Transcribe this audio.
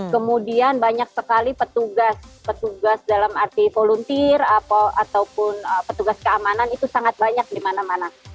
kemudian banyak sekali petugas petugas dalam arti volunteer ataupun petugas keamanan itu sangat banyak di mana mana